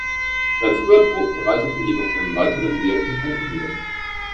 Sein früher Tod bereitete jedoch einem weiteren Wirken ein Ende.